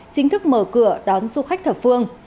chính thức mở cửa đón du khách thập phương